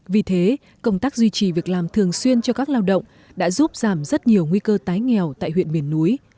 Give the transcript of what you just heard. vì thế công tác duy trì việc làm thường xuyên cho các lao động đã giúp giảm rất nhiều nguy cơ tái nghèo tại huyện miền núi